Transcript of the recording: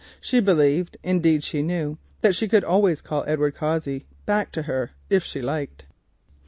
She believed, indeed she knew, that she could always call Edward Cossey back to her if she liked.